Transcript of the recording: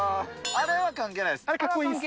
あれは関係ないです。